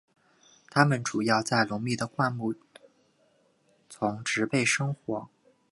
它们主要在浓密的灌木丛植被生活。